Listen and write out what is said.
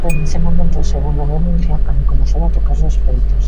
Foi nese momento, segundo a denuncia, cando comezou a tocarlle os peitos.